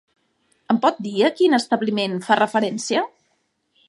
Em pot dir a quin establiment fa referència?